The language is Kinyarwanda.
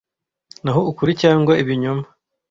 naho ukuri cyangwa ibinyoma